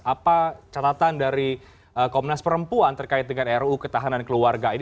apa catatan dari komnas perempuan terkait dengan ruu ketahanan keluarga ini